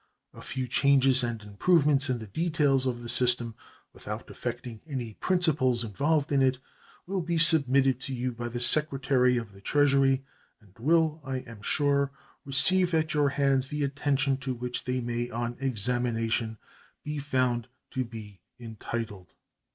A few changes and improvements in the details of the system, without affecting any principles involved in it, will be submitted to you by the Secretary of the Treasury, and will, I am sure, receive at your hands that attention to which they may on examination be found to be entitled.